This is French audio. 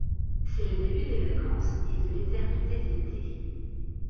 C'est le début des vacances et de l'éternité de l'été.